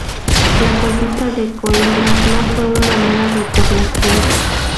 La conquista de Coímbra no fue una mera repoblación.